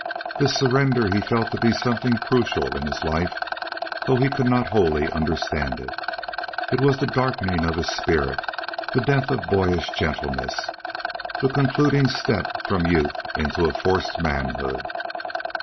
This surrender he felt to be something crucial in his life, though he could not wholly understand it. It was the darkening of his spirit; the death of boyish gentleness; the concluding step from youth into a forced manhood.